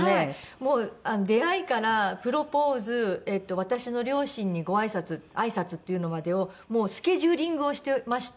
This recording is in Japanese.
もう出会いからプロポーズ私の両親にごあいさつあいさつっていうのまでをもうスケジューリングをしてまして。